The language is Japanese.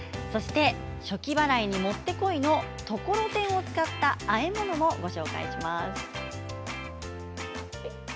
そして暑気払いにもってこいのところてんを使ったあえ物もご紹介します。